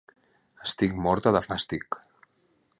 Estic morta de fàstic.